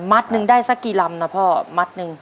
หนึ่งได้สักกี่ลำนะพ่อมัดหนึ่ง